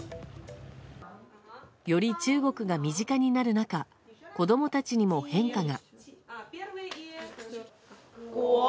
より中国が身近になる中子供たちにも変化が。